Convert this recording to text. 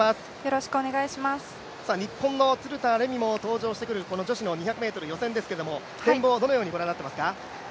日本の鶴田玲美も登場してくる女子２００ｍの予選ですが展望、どのようにご覧になっていますか？